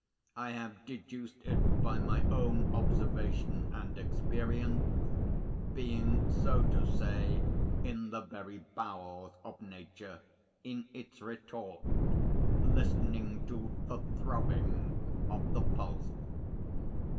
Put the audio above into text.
I have deduced it by my own observation and experience, being, so to say, in the very bowels of Nature, in its retort, listening to the throbbing of its pulse.